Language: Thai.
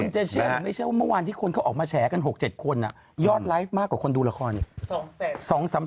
จะเชื่อหรือไม่เชื่อว่าเมื่อวานที่คนเขาออกมาแฉกัน๖๗คนยอดไลฟ์มากกว่าคนดูละครอีก